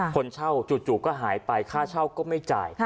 คนเช่าจู่ก็หายไปค่าเช่าก็ไม่จ่าย